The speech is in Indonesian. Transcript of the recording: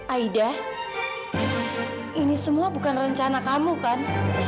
aida ini semua bukan rencana kamu kan